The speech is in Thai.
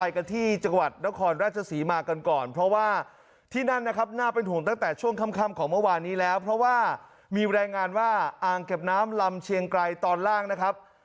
กันที่จังหวัดนครราชศรีมากันก่อนเพราะว่าที่นั่นนะครับน่าเป็นห่วงตั้งแต่ช่วงค่ำของเมื่อวานนี้แล้วเพราะว่ามีรายงานว่าอ่างเก็บน้ำลำเชียงไกรตอนล่างนะครับ